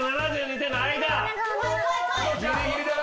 ギリギリだな。